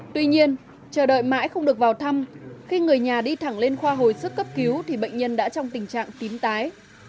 tuy nhiên chờ đợi mãi không được vào thăm khi người nhà đi thẳng lên khoa hồi sức cấp cứu thì bệnh nhân đã trong tình trạng tím tái